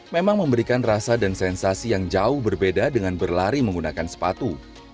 memang memberikan rasa dan sensasi yang jauh berbeda dengan berlari menggunakan sepatu